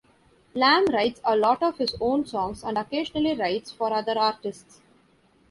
Lam writes a lot of his own songs and occasionally writes for other artists.